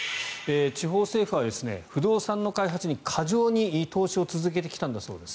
地方政府は不動産の開発に過剰に投資を続けてきたんだそうです。